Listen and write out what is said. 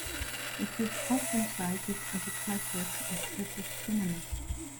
It is often cited as a classic of British cinema.